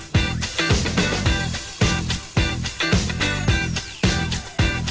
วันนี้ต้องขอขอบคุณที่รู้มากครับ